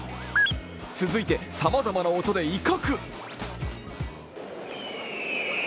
続いてさまざまな音で威嚇。